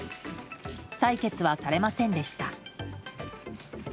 採決はされませんでした。